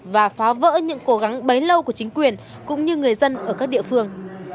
và phá vỡ những cố gắng bấy lâu của chính quyền cũng như người dân ở các địa phương